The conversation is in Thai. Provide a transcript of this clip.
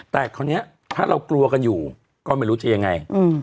แต่คราวนี้ถ้าเรากลัวกันอยู่ก็ไม่รู้จะยังไง